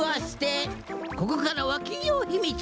ここからはきぎょうひみつじゃ！